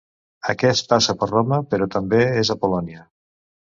Aquest passa per Roma, però també és a Polònia.